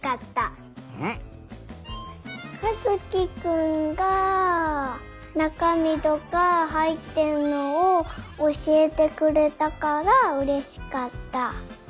かずきくんがなかみとかはいってるのをおしえてくれたからうれしかった。